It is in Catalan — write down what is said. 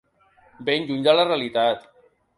Ben lluny de la realitat.